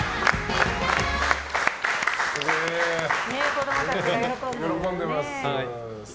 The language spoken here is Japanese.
子供たちが喜んでる。